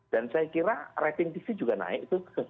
dan saya kira rating tv juga naik